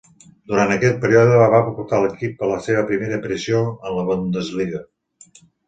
Durant aquest període va portar l'equip a la seva primera aparició en la Bundesliga.